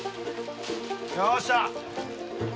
よっしゃ。